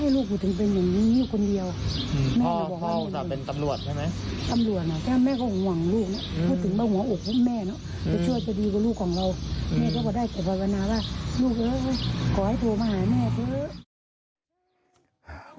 ลูกเออขอให้โทรมาหาแม่เทอะ